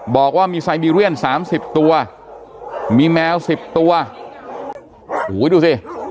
บอกว่ามีไซบีเรียนสามสิบตัวมีแมวสิบตัวโอ้โหดูสิ